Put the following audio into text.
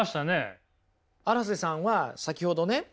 荒瀬さんは先ほどね